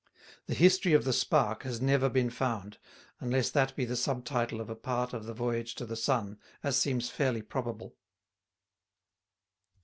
The History of the Spark has never been found, unless that be the subtitle of a part of the Voyage to the Sun, as seems fairly probable.